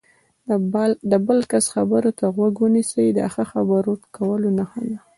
د بل کس خبرو ته غوږ ونیسئ، دا د ښه خبرو کولو نښه ده.